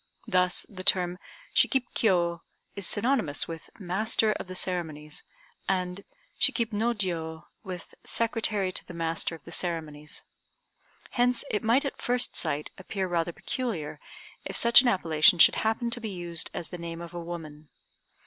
Thus the term "Shikib Kiô" is synonymous with "master of the ceremonies," and "Shikib no Jiô" with "secretary to the master of the ceremonies." Hence it might at first sight appear rather peculiar if such an appellation should happen to be used as the name of a woman.